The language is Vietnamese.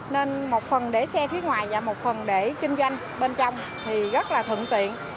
nên một phần để xe phía ngoài và một phần để kinh doanh bên trong thì rất là thuận tiện